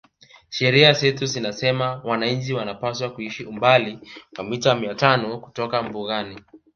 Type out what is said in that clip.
Sheria zetu zinasema wananchi wanapaswa kuishi umbali wa mita mia tano kutoka mbugani